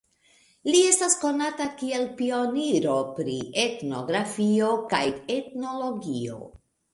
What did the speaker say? Li estas konata kiel pioniro pri etnografio kaj etnologio.